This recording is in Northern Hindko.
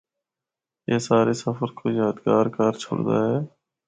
اے سارے سفر کو یادگار کر چُھڑدا ہے۔